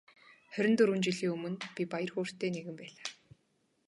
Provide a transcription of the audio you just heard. Хорин дөрвөн жилийн өмнө би баяр хөөртэй нэгэн байлаа.